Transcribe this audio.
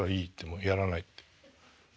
「もうやらない」って。